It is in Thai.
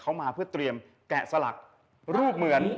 เขามาเพื่อเตรียมแกะสลักรูปเหมือน